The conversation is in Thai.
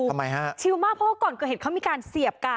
ทำไมฮะชิลมากเพราะว่าก่อนเกิดเหตุเขามีการเสียบกัน